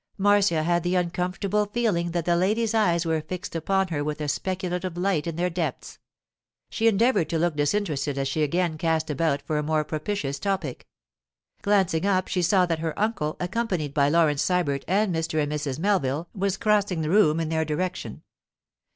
Marcia had the uncomfortable feeling that the lady's eyes were fixed upon her with a speculative light in their depths. She endeavoured to look disinterested as she again cast about for a more propitious topic. Glancing up, she saw that her uncle, accompanied by Laurence Sybert and Mr. and Mrs. Melville, was crossing the room in their direction.